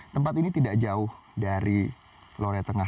tempat ini tidak jauh dari lore tengah